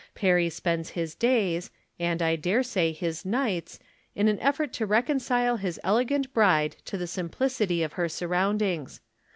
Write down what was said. Perry spends his days, and I dare say his nights, in an effort to reconcile his elegant bride to the simplicity of her surroundings.